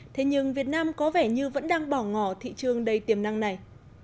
thế nhưng việt nam có vẻ như vẫn đang bỏ ngỏ thị trường đầy tiềm năng này